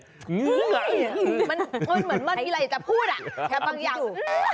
มันเหมือนมันมีอะไรจะพูดอะคือบางอย่าง